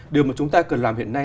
điều mà chúng ta cần làm hiện nay